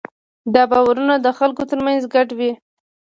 دا باورونه د خلکو ترمنځ ګډ وي.